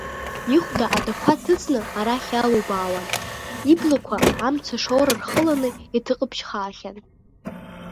Ихәда адақәа ҭыҵны арахь иалубаауан, иблақәа амца шоура рхыланы иҭыҟаԥшьаахахьан.